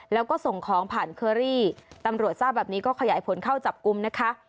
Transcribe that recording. แล้วก็ส่งของผ่านเคอรี่ตำรวจทราบแบบนี้ก็ขยายผลเข้าจับกลุ่มนะคะ